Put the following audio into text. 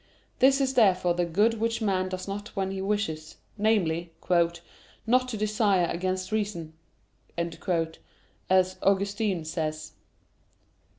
This is therefore the good which man does not when he wishes namely, "not to desire against reason," as Augustine says.